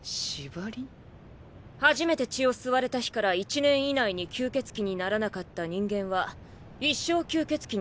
初めて血を吸われた日から１年以内に吸血鬼にならなかった人間は一生吸血鬼になれない。